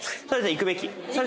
行くべき？